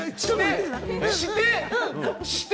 して？